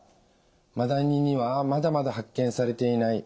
マダニにはまだまだ発見されていない